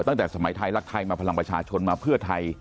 ตั้งแต่สมัยไทยรักไทยมาพลังประชาชนมาเพื่อไทย